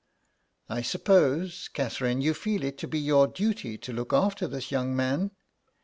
'' I suppose, Catherine, you feel it to be your duty to look after this young man